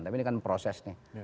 tapi ini kan proses nih